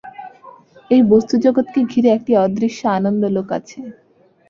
এই বস্তুজগৎকে ঘিরে একটি অদৃশ্য আনন্দলোক আছে।